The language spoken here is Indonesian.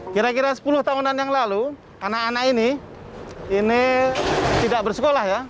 kira kira sepuluh tahunan yang lalu anak anak ini ini tidak bersekolah ya